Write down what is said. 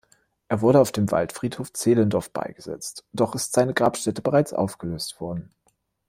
Er wurde auf dem Waldfriedhof Zehlendorf beigesetzt, doch ist seine Grabstätte bereits aufgelöst worden.